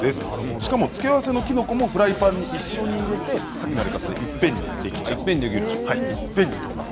しかも、つけ合わせのきのこもフライパンに一緒に入れてさっきのやり方でいっぺんにできちゃうんです。